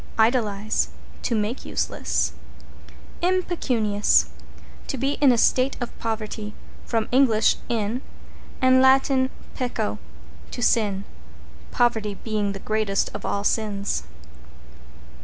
=IDOLIZE= To make useless. =IMPECUNIOUS= To be in a state of poverty. From Eng. in, and Lat. pecco, to sin, poverty being the greatest of all sins.